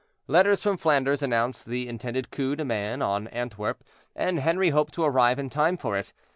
Letters from Flanders announced the intended coup de main on Antwerp, and Henri hoped to arrive in time for it.